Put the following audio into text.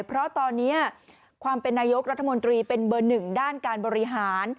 เพราะตอนนี้ความเป็นนายกรัฐมนตรีเป็นเบอร์หนึ่งด้านการบริหาร